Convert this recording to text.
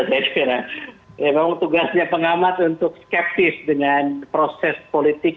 saya memang tugasnya pengamat untuk skeptis dengan proses politik